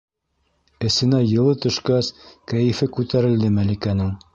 Эсенә йылы төшкәс, кәйефе күтәрелде Мәликәнең.